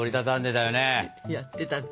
やってたね。